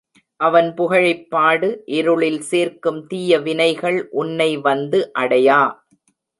அவன் புகழைப் பாடு இருளில் சேர்க்கும் தீய வினைகள் உன்னை வந்து அடையா.